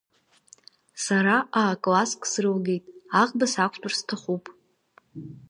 Сара аа-класск срылгеит, аӷба сақәтәар сҭахуп!